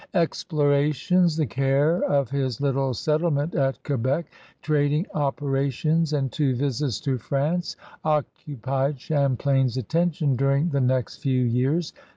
Explorations, the care of his little settlement at Quebec, trading operations, and two visits to France occupied Champlain's attention during the next few years.